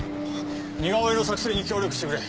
似顔絵の作成に協力してくれ。